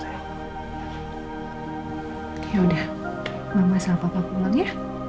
yaudah gak masalah papa pulang ya